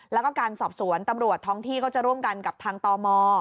แล้วก็การสอบสวนตำรวจท้องที่ก็จะร่วมกันกับทางตม